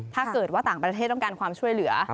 ถ้าเกิดว่าต่างประเทศต้องการความช่วยเหลือ